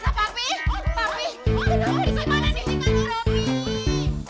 papi kenapa disuruh